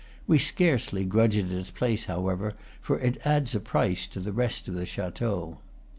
We scarcely grudge it its place, however, for it adds a price to the rest of the chateau.